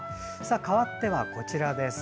かわっては、こちらです。